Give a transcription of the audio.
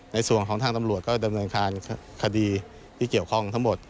ในส่วนของทางตำรวจก็ดำเนินการคดีที่เกี่ยวข้องทั้งหมด